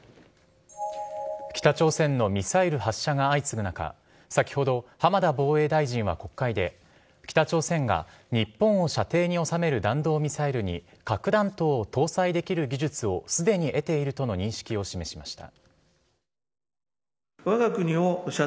北朝鮮のミサイル発射が相次ぐ中先ほど、浜田防衛大臣は国会で北朝鮮が、日本を射程に収める弾道ミサイルに核弾頭を搭載できる技術をすでに得ているとの認識を示しました。